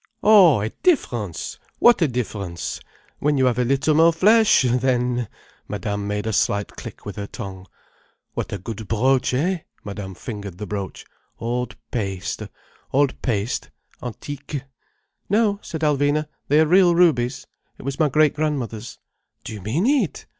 "Oh—a difference—what a difference! When you have a little more flesh—then—" Madame made a slight click with her tongue. "What a good brooch, eh?" Madame fingered the brooch. "Old paste—old paste—antique—" "No," said Alvina. "They are real rubies. It was my great grandmother's." "Do you mean it?